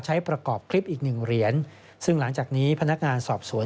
ใช้ประกอบคลิปอีกหนึ่งเหรียญซึ่งหลังจากนี้พนักงานสอบสวน